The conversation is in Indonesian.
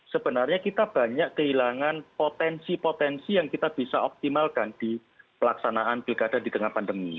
sebenarnya kita banyak kehilangan potensi potensi yang kita bisa optimalkan di pelaksanaan pilkada di tengah pandemi